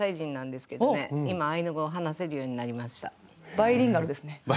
バイリンガルですね。